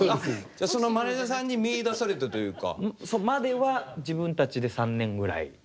じゃあそのマネージャーさんに見いだされてというか。